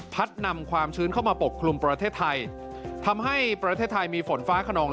นำความชื้นเข้ามาปกคลุมประเทศไทยทำให้ประเทศไทยมีฝนฟ้าขนอง